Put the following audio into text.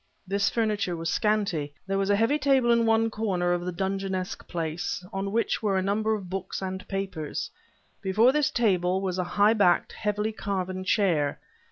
This furniture was scanty. There was a heavy table in one corner of the dungeonesque place, on which were a number of books and papers. Before this table was a high backed, heavily carven chair.